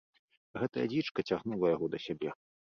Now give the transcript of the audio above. Гэтая дзічка цягнула яго да сябе.